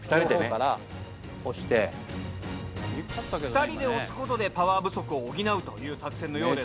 ２人で押すことでパワー不足を補うという作戦のようです。